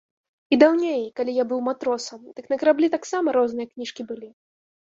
І даўней, калі я быў матросам, дык на караблі таксама розныя кніжкі былі.